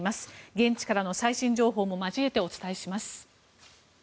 現地からの最新情報も交えてお伝えします。